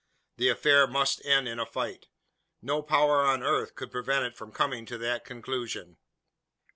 The affair must end in a fight. No power on earth could prevent it from coming to that conclusion.